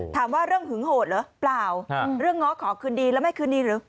ถามว่าเรื่องหึงโหดเหรอเปล่าเรื่องง้อขอคืนดีแล้วไม่คืนดีหรือ